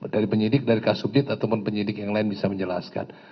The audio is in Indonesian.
dari penyidik dari kasubdit ataupun penyidik yang lain bisa menjelaskan